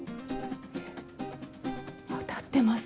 えっ当たってます。